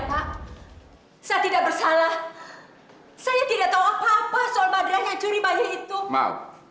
pak saya tidak bersalah saya tidak tahu apa apa soal madraya curi mai itu mau